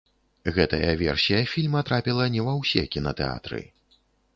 Гэтая версія фільма трапіла не ва ўсе кінатэатры.